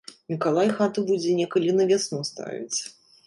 Мікалай хату будзе некалі на вясну ставіць.